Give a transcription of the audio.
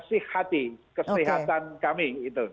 sihati kesehatan kami